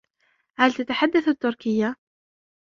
هل تتحدث التركية ؟